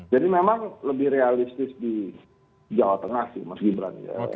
jadi memang lebih realistis di jawa tengah sih mas gibran